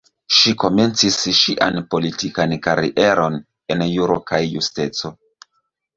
Ŝi komencis ŝian politikan karieron en Juro kaj Justeco.